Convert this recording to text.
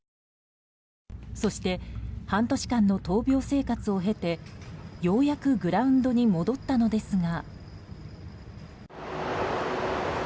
そして、半年間の闘病生活を経てようやくグラウンドに戻ったのですが。